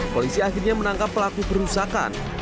polisi akhirnya menangkap pelaku perusakan